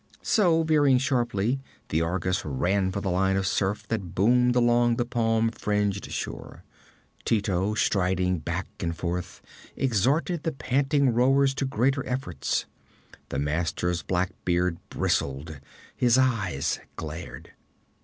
So, veering sharply, the Argus ran for the line of surf that boomed along the palm fringed shore, Tito striding back and forth, exhorting the panting rowers to greater efforts. The master's black beard bristled, his eyes glared.